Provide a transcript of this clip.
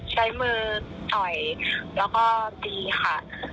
ใช้มือต่อยแล้วก็ตีค่ะ